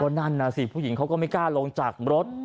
นั่นน่ะสิผู้หญิงเขาก็ไม่กล้าลงจากรถ